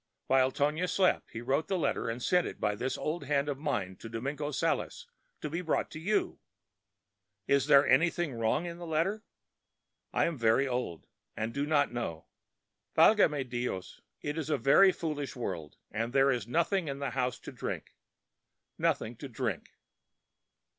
While Tonia slept he wrote the letter and sent it by this old hand of mine to Domingo Sales to be brought to you. Is there anything wrong in the letter? I am very old; and I did not know. Valgame Dios! it is a very foolish world; and there is nothing in the house to drink— nothing to drink."